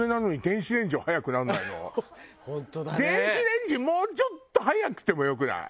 電子レンジもうちょっと早くてもよくない？